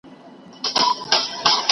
بانکداري به پرمختګ وکړي.